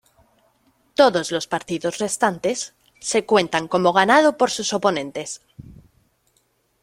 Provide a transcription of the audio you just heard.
Todos los partidos restantes se cuentan como ganado por sus oponentes.